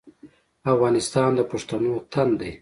افغانستان د پښتنو تن دی